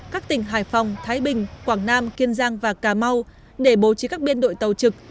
các tỉnh hải phòng thái bình quảng nam kiên giang và cà mau để bố trí các biên đội tàu trực